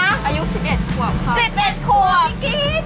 อายุ๑๑กว่าค่ะพี่กิ๊ก๑๑กว่าพี่กิ๊ก